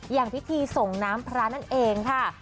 อย่างพิธีส่งน้ำพระนั่นเองค่ะ